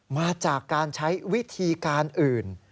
มาจากการใช้วิธีการอื่น